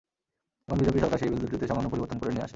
এখন বিজেপি সরকার সেই বিল দুটিতে সামান্য পরিবর্তন করে নিয়ে আসে।